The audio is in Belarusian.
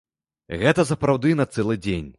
Гэта сапраўды на цэлы дзень.